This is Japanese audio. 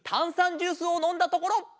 ジュースをのんだところ！